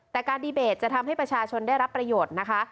แต่การดีเบตจะทำให้ประชาชนได้รับประโยชน์นะคะ